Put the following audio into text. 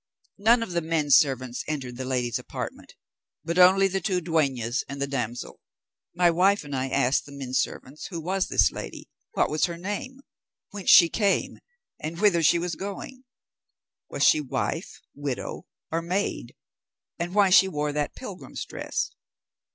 None of the men servants entered the lady's apartment, but only the two dueñas and the damsel. My wife and I asked the men servants who was this lady, what was her name, whence she came, and whither she was going? Was she wife, widow, or maid, and why she wore that pilgrim's dress?